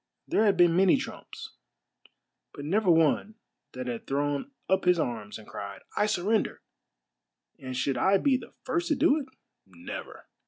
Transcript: There had been many Trumps, but never one that had thrown up his arms and cried, " I surrender I " and should I be the first to do it? "Never!